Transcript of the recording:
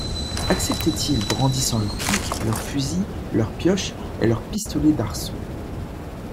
Acceptaient-ils, brandissant leurs piques, leurs fusils, leurs pioches et leurs pistolets d'arçon.